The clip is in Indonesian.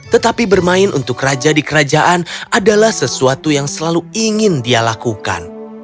tetapi bermain untuk raja di kerajaan adalah sesuatu yang selalu ingin dia lakukan